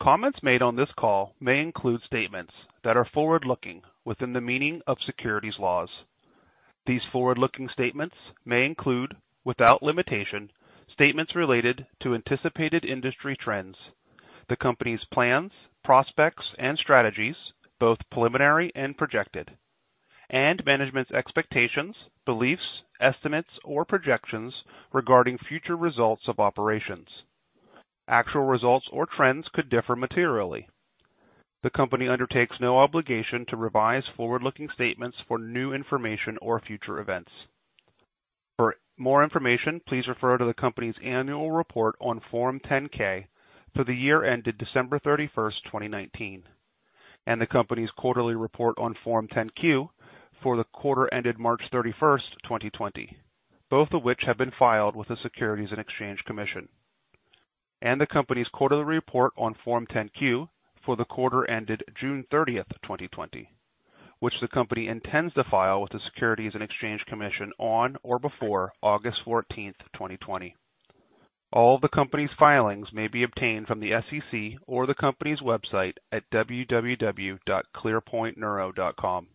Comments made on this call may include statements that are forward-looking within the meaning of securities laws. These forward-looking statements may include, without limitation, statements related to anticipated industry trends, the company's plans, prospects, and strategies, both preliminary and projected, and management's expectations, beliefs, estimates, or projections regarding future results of operations. Actual results or trends could differ materially. The company undertakes no obligation to revise forward-looking statements for new information or future events. For more information, please refer to the company's annual report on Form 10-K for the year ended December 31st, 2019, and the company's quarterly report on Form 10-Q for the quarter ended March 31st, 2020, both of which have been filed with the Securities and Exchange Commission, and the company's quarterly report on Form 10-Q for the quarter ended June 30th, 2020, which the company intends to file with the Securities and Exchange Commission on or before August 14th, 2020. All the company's filings may be obtained from the SEC or the company's website at www.clearpointneuro.com.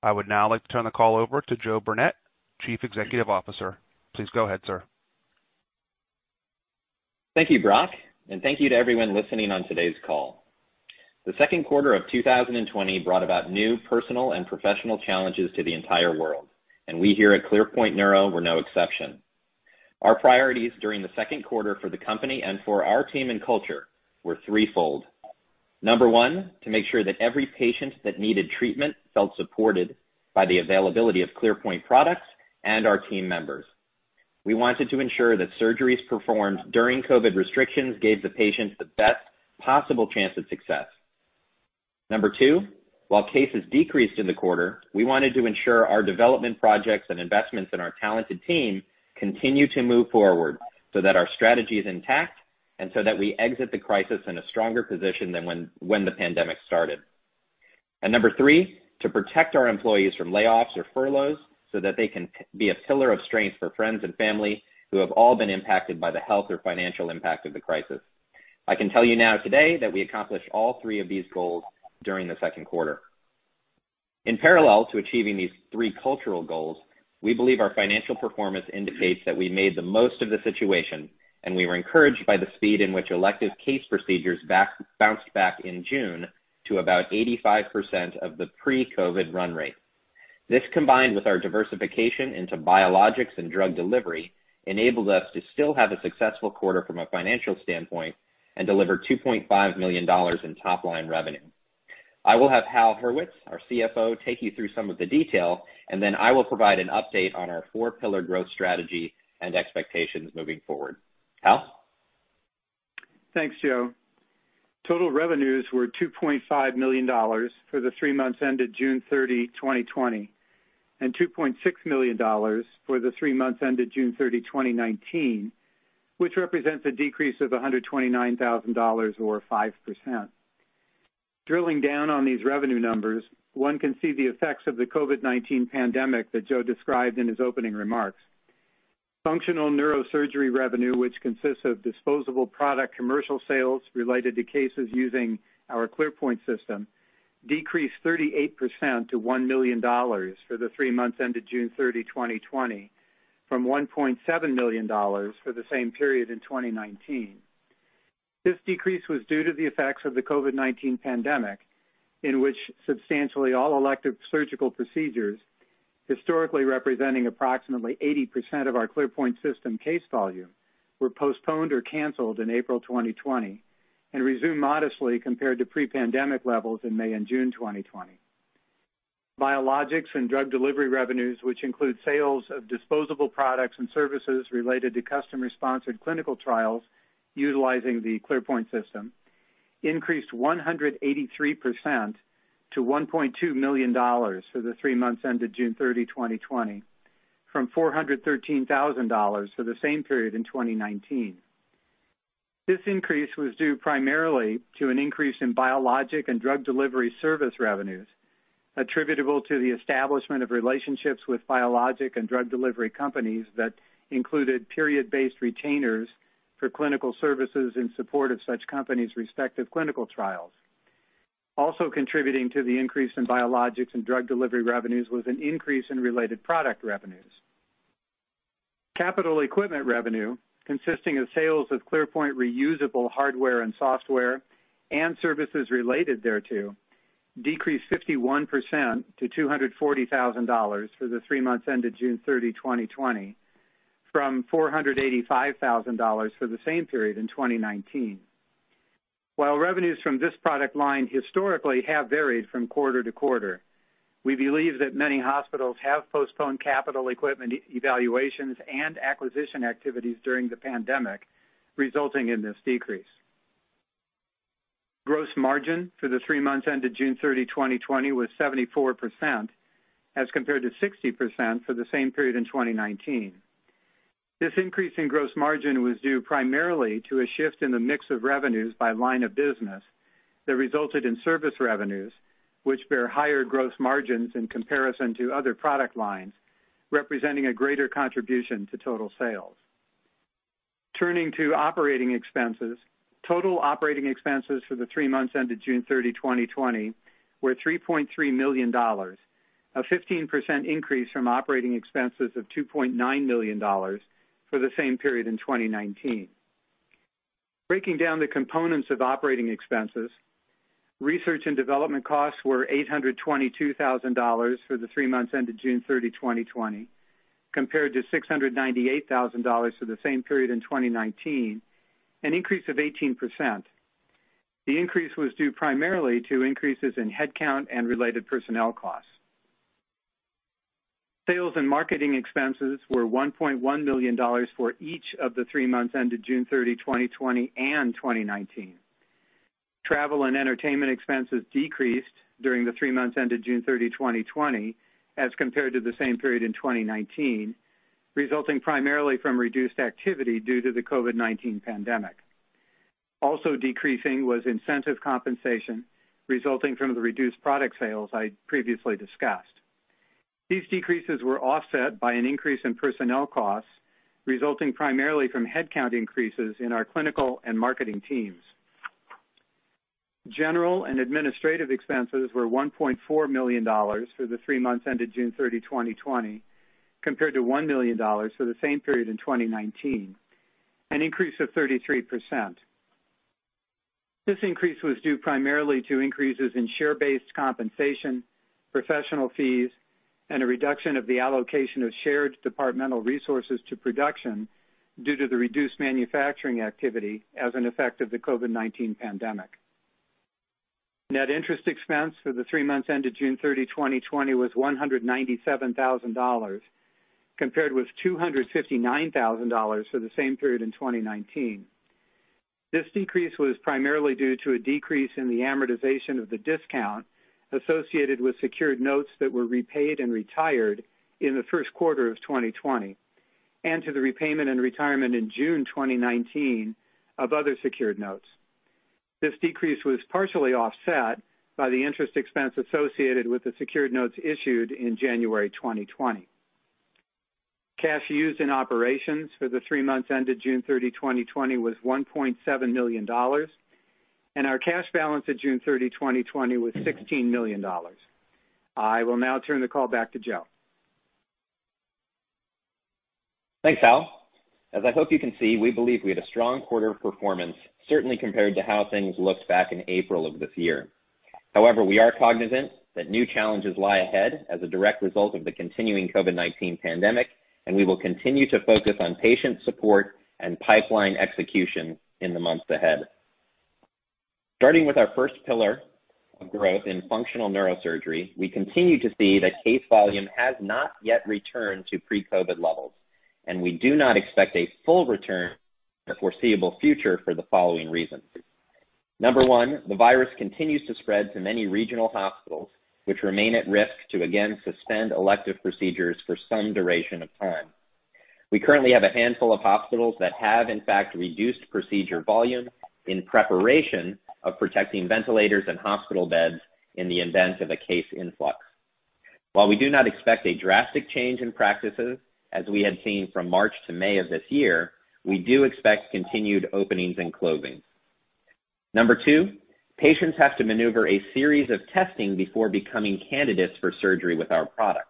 I would now like to turn the call over to Joe Burnett, Chief Executive Officer. Please go ahead, sir. Thank you, Brock, and thank you to everyone listening on today's call. The second quarter of 2020 brought about new personal and professional challenges to the entire world, and we here at ClearPoint Neuro were no exception. Our priorities during the second quarter for the company and for our team and culture were threefold. Number 1, to make sure that every patient that needed treatment felt supported by the availability of ClearPoint products and our team members. We wanted to ensure that surgeries performed during COVID restrictions gave the patients the best possible chance of success. Number 2, while cases decreased in the quarter, we wanted to ensure our development projects and investments in our talented team continue to move forward so that our strategy is intact and so that we exit the crisis in a stronger position than when the pandemic started. Number 3, to protect our employees from layoffs or furloughs so that they can be a pillar of strength for friends and family who have all been impacted by the health or financial impact of the crisis. I can tell you now today that we accomplished all three of these goals during the second quarter. In parallel to achieving these three cultural goals, we believe our financial performance indicates that we made the most of the situation, and we were encouraged by the speed in which elective case procedures bounced back in June to about 85% of the pre-COVID run rate. This, combined with our diversification into biologics and drug delivery, enabled us to still have a successful quarter from a financial standpoint and deliver $2.5 million in top-line revenue. I will have Hal Hurwitz, our CFO, take you through some of the detail, and then I will provide an update on our four pillar growth strategy and expectations moving forward. Hal? Thanks, Joe. Total revenues were $2.5 million for the three months ended June 30, 2020, and $2.6 million for the three months ended June 30, 2019, which represents a decrease of $129,000, or 5%. Drilling down on these revenue numbers, one can see the effects of the COVID-19 pandemic that Joe described in his opening remarks. Functional neurosurgery revenue, which consists of disposable product commercial sales related to cases using our ClearPoint system, decreased 38% to $1 million for the three months ended June 30, 2020, from $1.7 million for the same period in 2019. This decrease was due to the effects of the COVID-19 pandemic, in which substantially all elective surgical procedures, historically representing approximately 80% of our ClearPoint system case volume, were postponed or canceled in April 2020 and resumed modestly compared to pre-pandemic levels in May and June 2020. Biologics and drug delivery revenues, which include sales of disposable products and services related to customer sponsored clinical trials utilizing the ClearPoint system, increased 183% to $1.2 million for the three months ended June 30, 2020, from $413,000 for the same period in 2019. This increase was due primarily to an increase in biologics and drug delivery service revenues attributable to the establishment of relationships with biologics and drug delivery companies that included period-based retainers for clinical services in support of such companies' respective clinical trials. Also contributing to the increase in biologics and drug delivery revenues was an increase in related product revenues. Capital equipment revenue, consisting of sales of ClearPoint reusable hardware and software and services related thereto, decreased 51% to $240,000 for the three months ended June 30, 2020, from $485,000 for the same period in 2019. While revenues from this product line historically have varied from quarter to quarter, we believe that many hospitals have postponed capital equipment evaluations and acquisition activities during the pandemic, resulting in this decrease. Gross margin for the three months ended June 30, 2020 was 74%, as compared to 60% for the same period in 2019. This increase in gross margin was due primarily to a shift in the mix of revenues by line of business that resulted in service revenues, which bear higher gross margins in comparison to other product lines, representing a greater contribution to total sales. Turning to operating expenses. Total operating expenses for the three months ended June 30, 2020 were $3.3 million, a 15% increase from operating expenses of $2.9 million for the same period in 2019. Breaking down the components of operating expenses, research and development costs were $822,000 for the three months ended June 30, 2020, compared to $698,000 for the same period in 2019, an increase of 18%. The increase was due primarily to increases in headcount and related personnel costs. Sales and marketing expenses were $1.1 million for each of the three months ended June 30, 2020 and 2019. Travel and entertainment expenses decreased during the three months ended June 30, 2020 as compared to the same period in 2019, resulting primarily from reduced activity due to the COVID-19 pandemic. Also decreasing was incentive compensation resulting from the reduced product sales I previously discussed. These decreases were offset by an increase in personnel costs, resulting primarily from headcount increases in our clinical and marketing teams. General and administrative expenses were $1.4 million for the three months ended June 30, 2020, compared to $1 million for the same period in 2019, an increase of 33%. This increase was due primarily to increases in share-based compensation, professional fees, and a reduction of the allocation of shared departmental resources to production due to the reduced manufacturing activity as an effect of the COVID-19 pandemic. Net interest expense for the three months ended June 30, 2020 was $197,000, compared with $259,000 for the same period in 2019. This decrease was primarily due to a decrease in the amortization of the discount associated with secured notes that were repaid and retired in the first quarter of 2020, and to the repayment and retirement in June 2019 of other secured notes. This decrease was partially offset by the interest expense associated with the secured notes issued in January 2020. Cash used in operations for the three months ended June 30, 2020 was $1.7 million. Our cash balance at June 30, 2020 was $16 million. I will now turn the call back to Joe. Thanks, Hal. As I hope you can see, we believe we had a strong quarter of performance, certainly compared to how things looked back in April of this year. However, we are cognizant that new challenges lie ahead as a direct result of the continuing COVID-19 pandemic, and we will continue to focus on patient support and pipeline execution in the months ahead. Starting with our first pillar of growth in functional neurosurgery, we continue to see that case volume has not yet returned to pre-COVID levels, and we do not expect a full return in the foreseeable future for the following reasons. Number 1, the virus continues to spread to many regional hospitals, which remain at risk to again suspend elective procedures for some duration of time. We currently have a handful of hospitals that have in fact reduced procedure volume in preparation of protecting ventilators and hospital beds in the event of a case influx. While we do not expect a drastic change in practices as we had seen from March to May of this year, we do expect continued openings and closings. Number 2, patients have to maneuver a series of testing before becoming candidates for surgery with our products.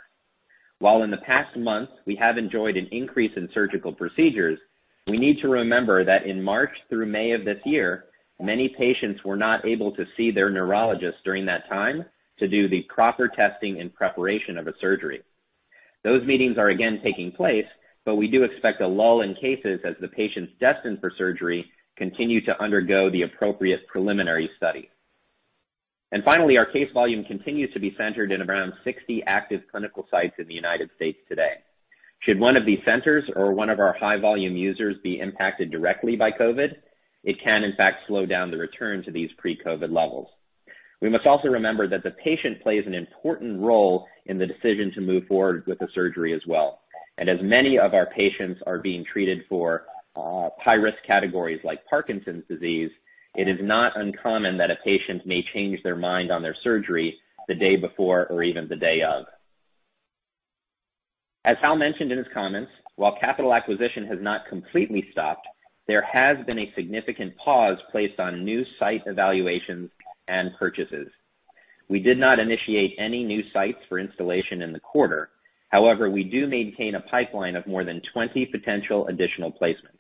While in the past month we have enjoyed an increase in surgical procedures, we need to remember that in March through May of this year, many patients were not able to see their neurologists during that time to do the proper testing and preparation of a surgery. We do expect a lull in cases as the patients destined for surgery continue to undergo the appropriate preliminary study. Finally, our case volume continues to be centered in around 60 active clinical sites in the United States today. Should one of these centers or one of our high volume users be impacted directly by COVID, it can in fact slow down the return to these pre-COVID levels. We must also remember that the patient plays an important role in the decision to move forward with the surgery as well. As many of our patients are being treated for high-risk categories like Parkinson's disease, it is not uncommon that a patient may change their mind on their surgery the day before or even the day of. As Hal mentioned in his comments, while capital acquisition has not completely stopped, there has been a significant pause placed on new site evaluations and purchases. We did not initiate any new sites for installation in the quarter. However, we do maintain a pipeline of more than 20 potential additional placements.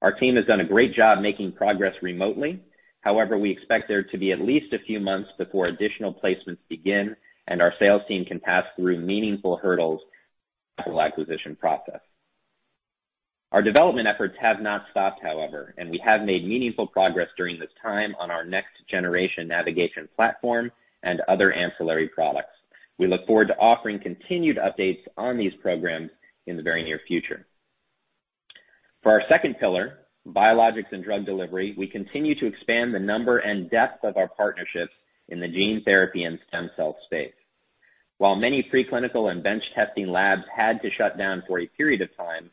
Our team has done a great job making progress remotely. However, we expect there to be at least a few months before additional placements begin and our sales team can pass through meaningful hurdles in the capital acquisition process. Our development efforts have not stopped, however, and we have made meaningful progress during this time on our next generation navigation platform and other ancillary products. We look forward to offering continued updates on these programs in the very near future. For our second pillar, biologics and drug delivery, we continue to expand the number and depth of our partnerships in the gene therapy and stem cell space. While many preclinical and bench testing labs had to shut down for a period of time,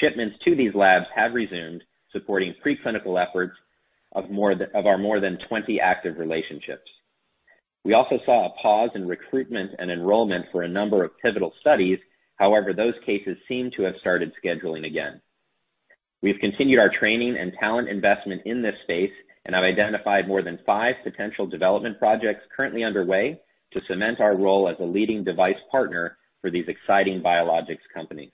shipments to these labs have resumed, supporting preclinical efforts of our more than 20 active relationships. We also saw a pause in recruitment and enrollment for a number of pivotal studies. Those cases seem to have started scheduling again. We've continued our training and talent investment in this space and have identified more than five potential development projects currently underway to cement our role as a leading device partner for these exciting biologics companies.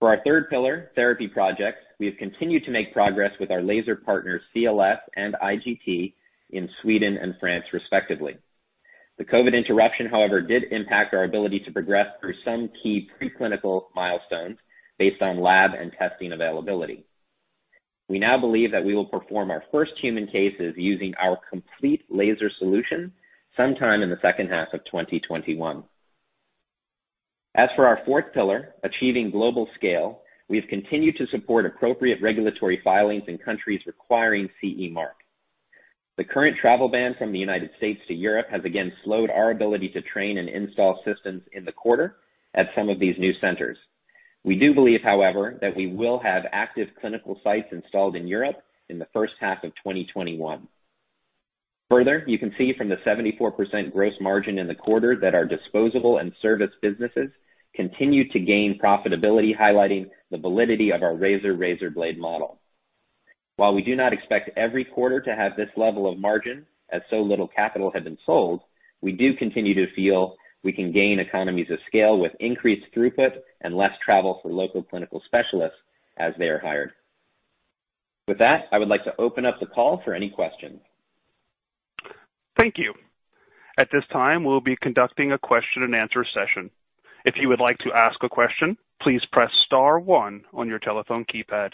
For our third pillar, therapy projects, we have continued to make progress with our laser partners CLS and IGT in Sweden and France, respectively. The COVID interruption, however, did impact our ability to progress through some key preclinical milestones based on lab and testing availability. We now believe that we will perform our first human cases using our complete laser solution sometime in the second half of 2021. As for our fourth pillar, achieving global scale, we have continued to support appropriate regulatory filings in countries requiring CE mark. The current travel ban from the United States to Europe has again slowed our ability to train and install systems in the quarter at some of these new centers. We do believe, however, that we will have active clinical sites installed in Europe in the first half of 2021. Further, you can see from the 74% gross margin in the quarter that our disposable and service businesses continue to gain profitability, highlighting the validity of our razor/razor blade model. While we do not expect every quarter to have this level of margin, as so little capital had been sold, we do continue to feel we can gain economies of scale with increased throughput and less travel for local clinical specialists as they are hired. With that, I would like to open up the call for any questions. Thank you. At this time, we'll be conducting a question-and-answer session. If you would like to ask a question, please press star one on your telephone keypad.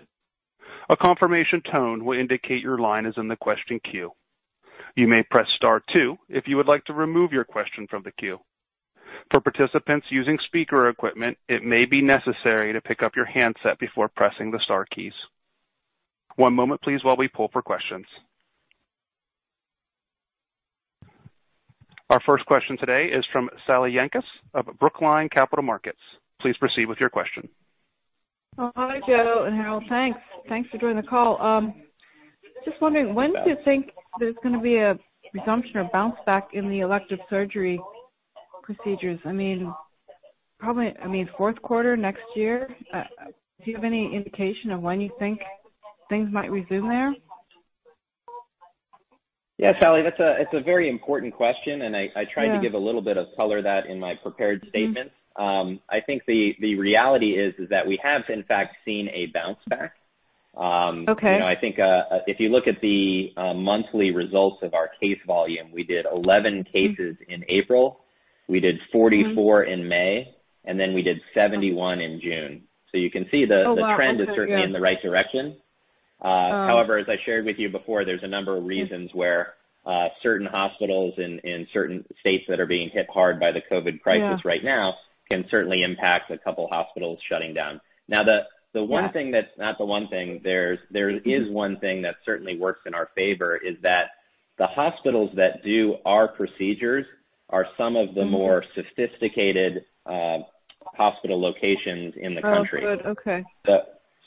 A confirmation tone will indicate your line is in the question queue. You may press star two if you would like to remove your question from the queue. For participants using speaker equipment, it may be necessary to pick up your handset before pressing the star keys. One moment please while we pull for questions. Our first question today is from Sally Yanchus of Brookline Capital Markets. Please proceed with your question. Hi, Joe and Hal Hurwitz. Thanks for doing the call. Just wondering, when do you think there's going to be a resumption or bounce back in the elective surgery procedures? Probably fourth quarter next year? Do you have any indication of when you think things might resume there? Yeah, Sally, that's a very important question, and I tried to give a little bit of color to that in my prepared statement. I think the reality is that we have, in fact, seen a bounce back. Okay. I think if you look at the monthly results of our case volume, we did 11 cases in April, we did 44 in May, and then we did 71 in June. You can see the trend. Oh, wow. Okay. Yeah. is certainly in the right direction. However, as I shared with you before, there's a number of reasons where certain hospitals in certain states that are being hit hard by the COVID crisis right now can certainly impact a couple hospitals shutting down. Now, there is one thing that certainly works in our favor. It's that the hospitals that do our procedures are some of the more sophisticated hospital locations in the country. Oh, good. Okay.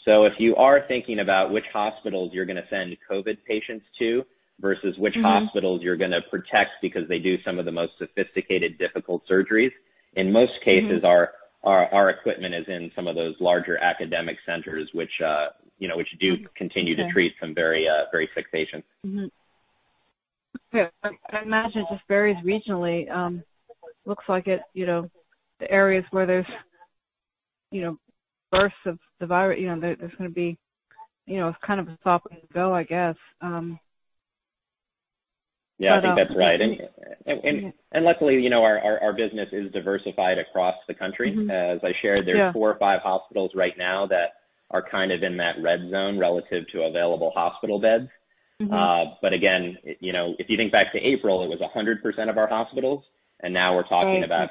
If you are thinking about which hospitals you're going to send COVID patients to versus which hospitals you're going to protect because they do some of the most sophisticated, difficult surgeries, in most cases, our equipment is in some of those larger academic centers, which do continue to treat some very sick patients. Okay. I imagine it just varies regionally. It looks like the areas where there's bursts of the virus, there's going to be kind of a stop and go, I guess. Yeah, I think that's right. Luckily, our business is diversified across the country. As I shared, there's four or five hospitals right now that are kind of in that red zone relative to available hospital beds. Again, if you think back to April, it was 100% of our hospitals, and now we're talking about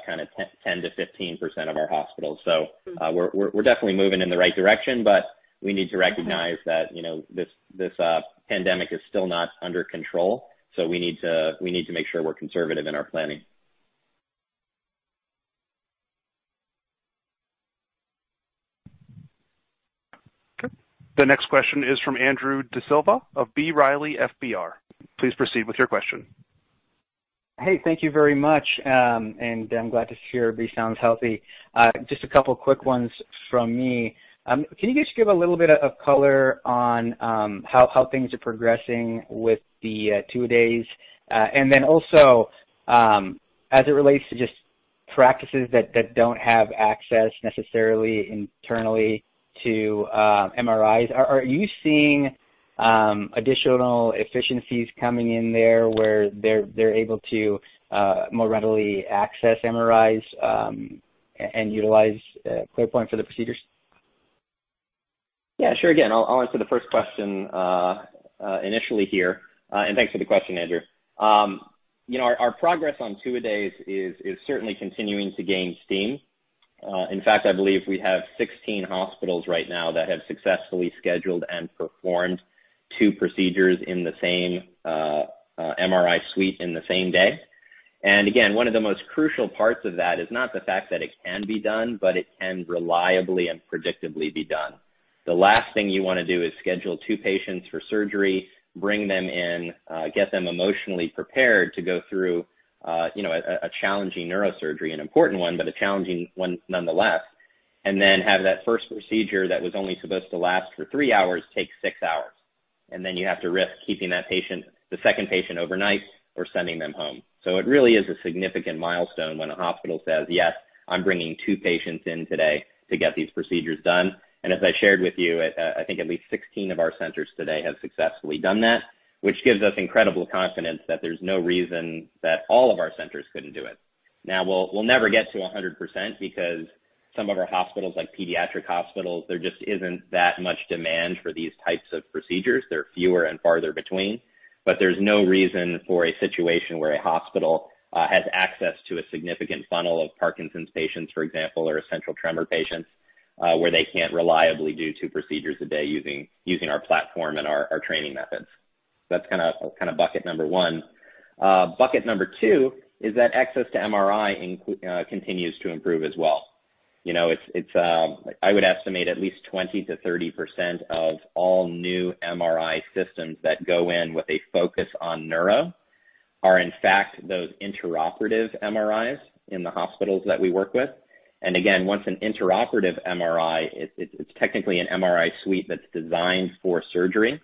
10%-15% of our hospitals. We're definitely moving in the right direction, but we need to recognize that this pandemic is still not under control. We need to make sure we're conservative in our planning. Okay. The next question is from Andrew D'Silva of B. Riley FBR. Please proceed with your question. Hey, thank you very much, and I'm glad to hear B. sounds healthy. Just a couple quick ones from me. Can you just give a little bit of color on how things are progressing with the two-a-days? Then also, as it relates to just practices that don't have access necessarily internally to MRIs, are you seeing additional efficiencies coming in there where they're able to more readily access MRIs and utilize ClearPoint for the procedures? Yeah, sure. Again, I'll answer the first question initially here. Thanks for the question, Andrew D'Silva. Our progress on two-a-days is certainly continuing to gain steam. In fact, I believe we have 16 hospitals right now that have successfully scheduled and performed two procedures in the same MRI suite in the same day. One of the most crucial parts of that is not the fact that it can be done, but it can reliably and predictably be done. The last thing you want to do is schedule two patients for surgery, bring them in, get them emotionally prepared to go through a challenging neurosurgery, an important one, but a challenging one nonetheless, and then have that first procedure that was only supposed to last for three hours, take six hours. You have to risk keeping the second patient overnight or sending them home. It really is a significant milestone when a hospital says, "Yes, I'm bringing two patients in today to get these procedures done." As I shared with you, I think at least 16 of our centers today have successfully done that, which gives us incredible confidence that there's no reason that all of our centers couldn't do it. We'll never get to 100% because some of our hospitals, like pediatric hospitals, there just isn't that much demand for these types of procedures. They're fewer and farther between. There's no reason for a situation where a hospital has access to a significant funnel of Parkinson's disease patients, for example, or essential tremor patients, where they can't reliably do two procedures a day using our platform and our training methods. That's kind of bucket number 1. Bucket number two is that access to MRI continues to improve as well. I would estimate at least 20%-30% of all new MRI systems that go in with a focus on neuro are, in fact, those intraoperative MRIs in the hospitals that we work with. Again, once an intraoperative MRI, it's technically an MRI suite that's designed for surgery.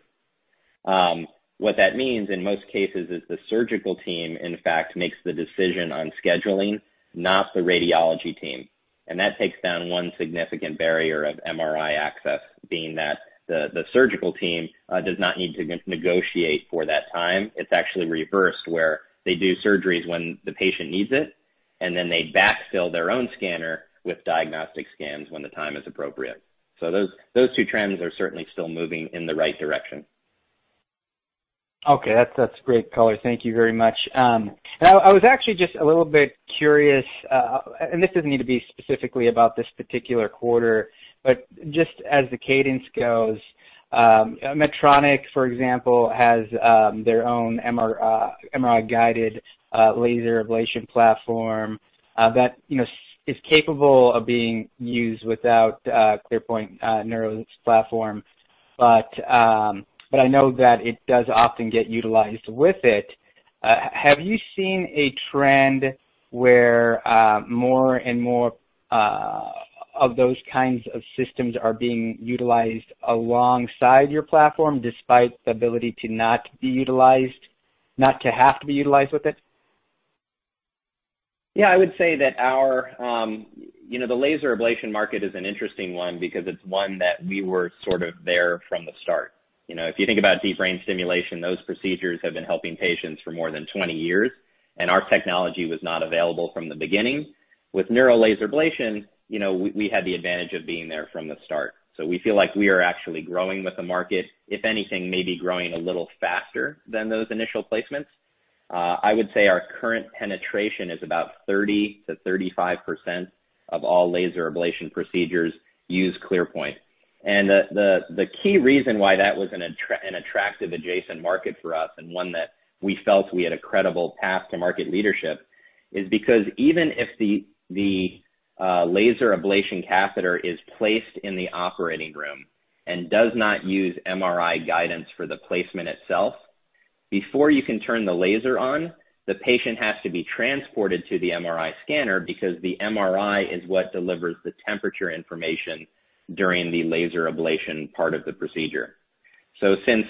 What that means, in most cases, is the surgical team, in fact, makes the decision on scheduling, not the radiology team. That takes down one significant barrier of MRI access, being that the surgical team does not need to negotiate for that time. It's actually reversed, where they do surgeries when the patient needs it, and then they backfill their own scanner with diagnostic scans when the time is appropriate. Those two trends are certainly still moving in the right direction. Okay. That's great color. Thank you very much. I was actually just a little bit curious, and this doesn't need to be specifically about this particular quarter, but just as the cadence goes. Medtronic, for example, has their own MRI-guided laser ablation platform that is capable of being used without ClearPoint Neuro's platform. I know that it does often get utilized with it. Have you seen a trend where more and more of those kinds of systems are being utilized alongside your platform, despite the ability to not have to be utilized with it? Yeah, I would say that the laser ablation market is an interesting one because it's one that we were sort of there from the start. If you think about deep brain stimulation, those procedures have been helping patients for more than 20 years, and our technology was not available from the beginning. With neuro laser ablation, we had the advantage of being there from the start. We feel like we are actually growing with the market, if anything, maybe growing a little faster than those initial placements. I would say our current penetration is about 30%-35% of all laser ablation procedures use ClearPoint. The key reason why that was an attractive adjacent market for us and one that we felt we had a credible path to market leadership is because even if the laser ablation catheter is placed in the operating room and does not use MRI guidance for the placement itself, before you can turn the laser on, the patient has to be transported to the MRI scanner because the MRI is what delivers the temperature information during the laser ablation part of the procedure. Since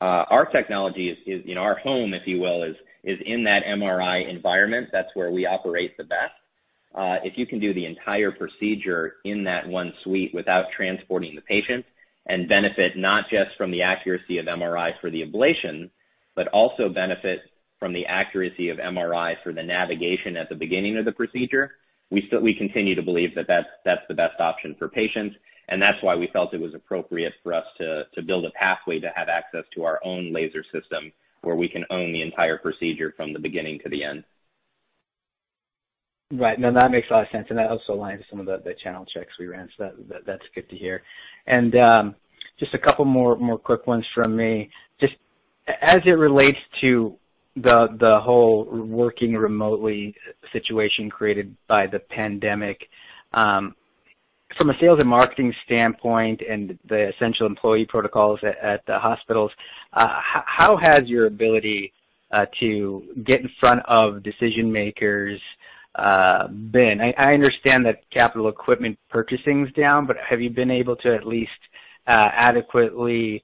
our technology is in our home, if you will, is in that MRI environment, that's where we operate the best. If you can do the entire procedure in that one suite without transporting the patient and benefit not just from the accuracy of MRI for the ablation, but also benefit from the accuracy of MRI for the navigation at the beginning of the procedure, we continue to believe that that's the best option for patients, and that's why we felt it was appropriate for us to build a pathway to have access to our own laser system where we can own the entire procedure from the beginning to the end. Right. No, that makes a lot of sense, and that also aligns with some of the channel checks we ran, so that's good to hear. Just a couple more quick ones from me. Just as it relates to the whole working remotely situation created by the pandemic, from a sales and marketing standpoint and the essential employee protocols at the hospitals, how has your ability to get in front of decision-makers been? I understand that capital equipment purchasing is down, but have you been able to at least adequately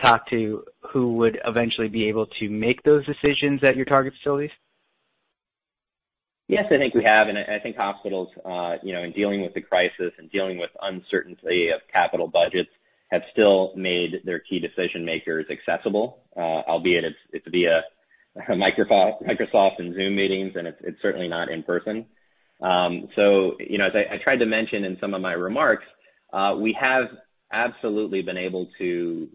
talk to who would eventually be able to make those decisions at your target facilities? Yes, I think we have. I think hospitals, in dealing with the crisis and dealing with uncertainty of capital budgets, have still made their key decision-makers accessible, albeit it's via Microsoft and Zoom meetings, and it's certainly not in person. As I tried to mention in some of my remarks, we have absolutely been able to,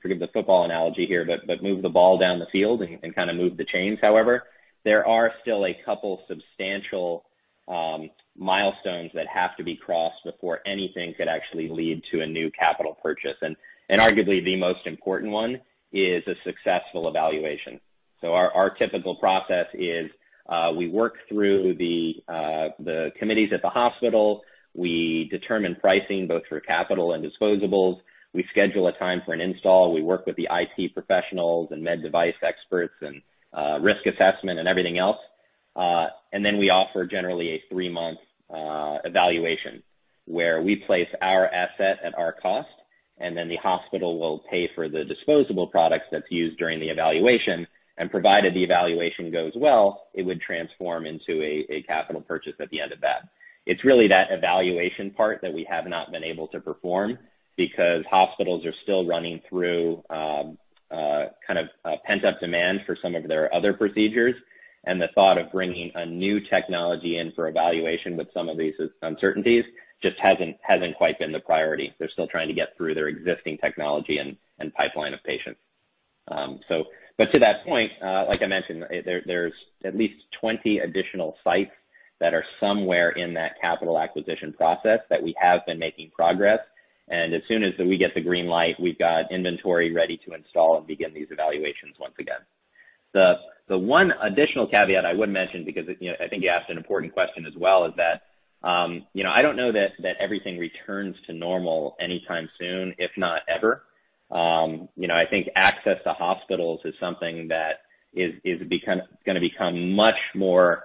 forgive the football analogy here, but move the ball down the field and kind of move the chains. However, there are still a couple substantial milestones that have to be crossed before anything could actually lead to a new capital purchase, and arguably the most important one is a successful evaluation. Our typical process is, we work through the committees at the hospital. We determine pricing, both for capital and disposables. We schedule a time for an install. We work with the IT professionals and med device experts and risk assessment and everything else. We offer generally a three-month evaluation where we place our asset at our cost, and then the hospital will pay for the disposable products that's used during the evaluation, and provided the evaluation goes well, it would transform into a capital purchase at the end of that. It's really that evaluation part that we have not been able to perform because hospitals are still running through kind of pent-up demand for some of their other procedures. The thought of bringing a new technology in for evaluation with some of these uncertainties just hasn't quite been the priority. They're still trying to get through their existing technology and pipeline of patients. To that point, like I mentioned, there's at least 20 additional sites that are somewhere in that capital acquisition process that we have been making progress. As soon as we get the green light, we've got inventory ready to install and begin these evaluations once again. The one additional caveat I would mention, because I think you asked an important question as well, is that I don't know that everything returns to normal anytime soon, if not ever. I think access to hospitals is something that is going to become much more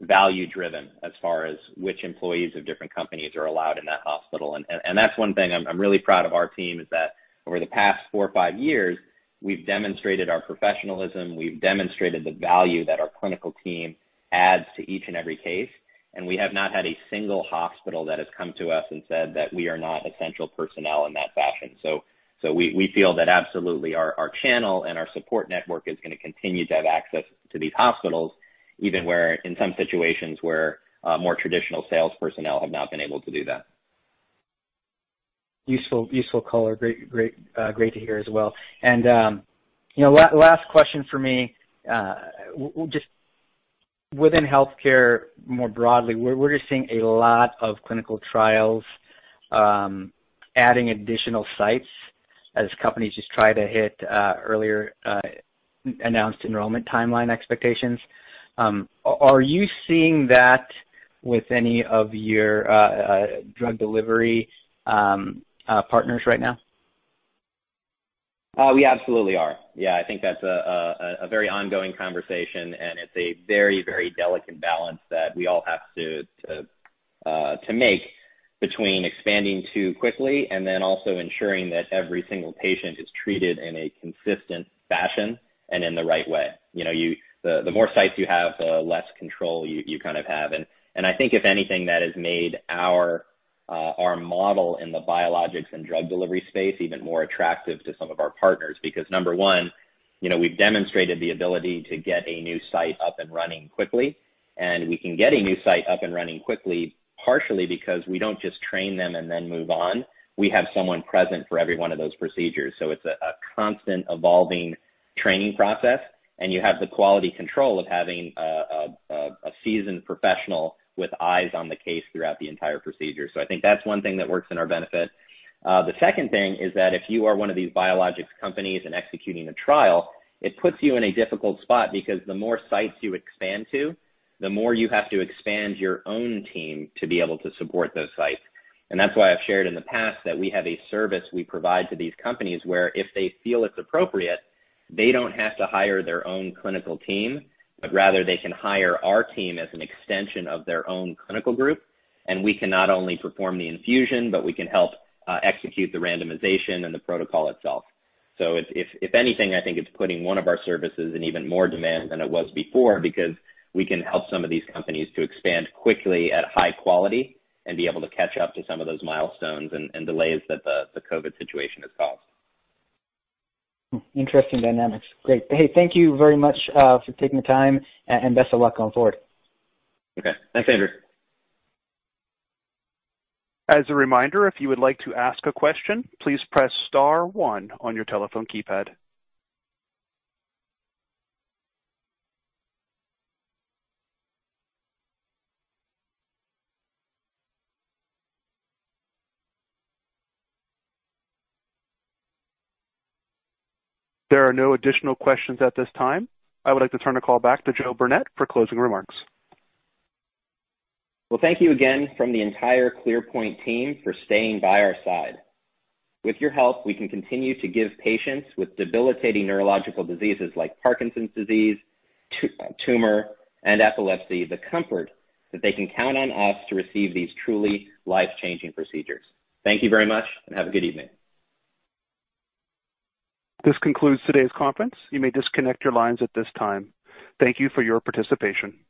value-driven as far as which employees of different companies are allowed in that hospital. That's one thing I'm really proud of our team, is that over the past four or five years, we've demonstrated our professionalism. We've demonstrated the value that our clinical team adds to each and every case, and we have not had a single hospital that has come to us and said that we are not essential personnel in that fashion. We feel that absolutely our channel and our support network is going to continue to have access to these hospitals, even where in some situations where more traditional sales personnel have not been able to do that. Useful color. Great to hear as well. Last question from me. Just within healthcare more broadly, we're just seeing a lot of clinical trials adding additional sites as companies just try to hit earlier announced enrollment timeline expectations. Are you seeing that with any of your drug delivery partners right now? We absolutely are. Yeah. I think that's a very ongoing conversation, and it's a very delicate balance that we all have to make between expanding too quickly and then also ensuring that every single patient is treated in a consistent fashion and in the right way. The more sites you have, the less control you kind of have. I think if anything, that has made our model in the biologics and drug delivery space even more attractive to some of our partners because number one, we've demonstrated the ability to get a new site up and running quickly, and we can get a new site up and running quickly, partially because we don't just train them and then move on. We have someone present for every one of those procedures. It's a constant evolving training process, and you have the quality control of having a seasoned professional with eyes on the case throughout the entire procedure. I think that's one thing that works in our benefit. The second thing is that if you are one of these biologics companies and executing a trial, it puts you in a difficult spot because the more sites you expand to, the more you have to expand your own team to be able to support those sites. That's why I've shared in the past that we have a service we provide to these companies where if they feel it's appropriate, they don't have to hire their own clinical team, but rather they can hire our team as an extension of their own clinical group, and we can not only perform the infusion, but we can help execute the randomization and the protocol itself. If anything, I think it's putting one of our services in even more demand than it was before because we can help some of these companies to expand quickly at high quality and be able to catch up to some of those milestones and delays that the COVID situation has caused. Interesting dynamics. Great. Hey, thank you very much for taking the time, and best of luck going forward. Okay. Thanks, Andrew. As a reminder, if you would like to ask a question, please press star one on your telephone keypad. There are no additional questions at this time. I would like to turn the call back to Joe Burnett for closing remarks. Well, thank you again from the entire ClearPoint team for staying by our side. With your help, we can continue to give patients with debilitating neurological diseases like Parkinson's disease, tumor, and epilepsy the comfort that they can count on us to receive these truly life-changing procedures. Thank you very much and have a good evening. This concludes today's conference. You may disconnect your lines at this time. Thank you for your participation.